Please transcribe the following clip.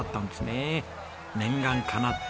念願かなって